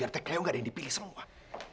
kelihatan kayaknya gak ada yang dipilih semua